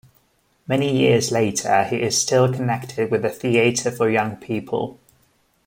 Many years later, he is still connected with the Theatre for Young People.